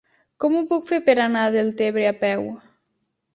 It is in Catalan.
Com ho puc fer per anar a Deltebre a peu?